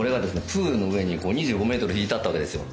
プールの上に２５メートル引いてあったわけですよ。